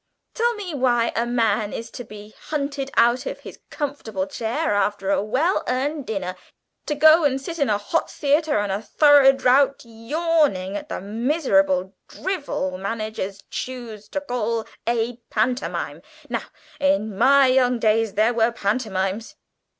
Tell me why a man is to be hunted out of his comfortable chair after a well earned dinner, to go and sit in a hot theatre and a thorough draught, yawning at the miserable drivel managers choose to call a pantomime? Now in my young days there were pantomimes.